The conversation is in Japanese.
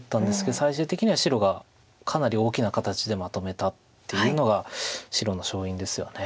最終的には白がかなり大きな形でまとめたっていうのが白の勝因ですよね。